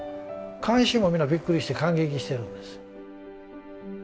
観衆も皆びっくりして感激してるんです。